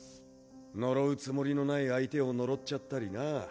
呪うつもりのない相手を呪っちゃったりな。